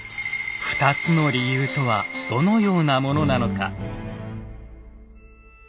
２つの理由とはどのようなものなのか。